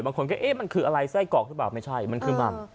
บางคนก็เอ๊ะมันคืออะไรไส้กรอกหรือเปล่าไม่ใช่มันคือมัน